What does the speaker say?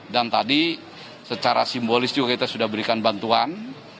dan tadi secara simbolis juga kita sudah berikan bantuan